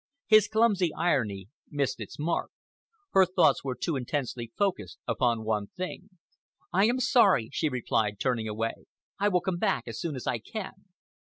His clumsy irony missed its mark. Her thoughts were too intensely focussed upon one thing. "I am sorry," she replied, turning away. "I will come back as soon as I can."